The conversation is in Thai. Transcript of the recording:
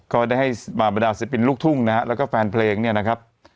ก็ได้ให้บรรดาศิลปินลูกทุ่งนะฮะแล้วก็แฟนเพลงเนี่ยนะครับ